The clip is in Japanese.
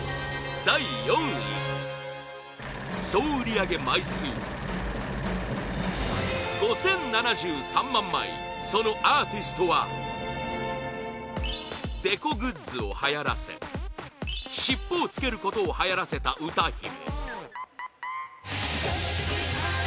第４位総売り上げ枚数５０７３万枚そのアーティストはデコグッズをはやらせ尻尾をつけることをはやらせた歌姫